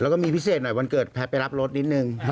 แล้วก็มีพิเศษหน่อยวันเกิดแพทย์ไปรับรถนิดนึง